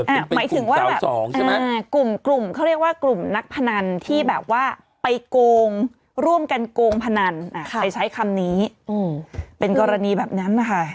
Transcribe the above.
หมายถึงว่าแบบใช่ไหมกลุ่มเขาเรียกว่ากลุ่มนักพนันที่แบบว่าไปโกงร่วมกันโกงพนันไปใช้คำนี้เป็นกรณีแบบนั้นนะคะ